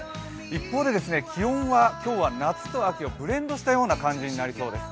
一方で気温は今日は夏と秋をブレンドしたような感じになりそうです。